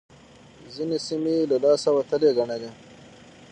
ځينې سيمې يې له لاسه وتلې ګڼلې.